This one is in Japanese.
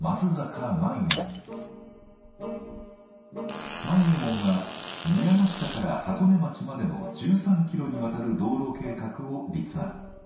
右衛門は宮ノ下から箱根町までの１３キロにわたる道路計画を立案。